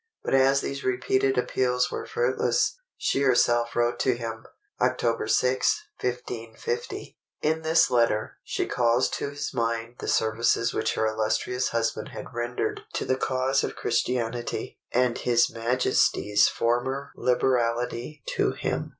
But as these repeated appeals were fruitless, she herself wrote to him, October 6, 1550. In this letter, she calls to his mind the services which her illustrious husband had rendered to the cause of Christianity, and his Majesty's former liberality to him.